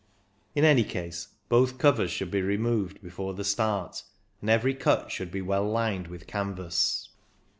In any case, both covers should be removed before the start, and every cut should be well lined with canvas.